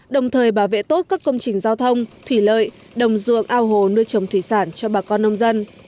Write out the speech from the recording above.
đồng thời bảo vệ tốt các công trình giao thông thủy lợi đồng ruộng ao hồ nuôi trồng thủy sản cho bà con nông dân